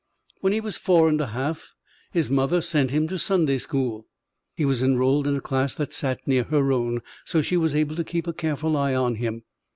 When he was four and a half, his mother sent him to Sunday school. He was enrolled in a class that sat near her own, so she was able to keep a careful eye on him.